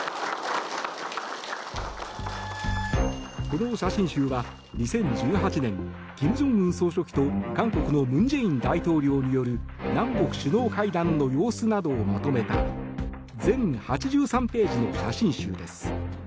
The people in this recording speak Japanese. この写真集は２０１８年金正恩総書記と韓国の文在寅大統領による南北首脳会談の様子などをまとめた全８３ページの写真集です。